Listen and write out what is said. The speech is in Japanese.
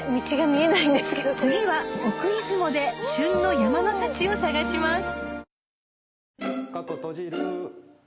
次は奥出雲で旬の山の幸を探します